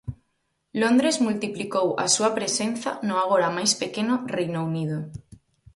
Londres multiplicou a súa presenza no agora máis pequeno Reino Unido.